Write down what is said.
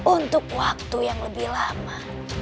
untuk waktu yang lebih lama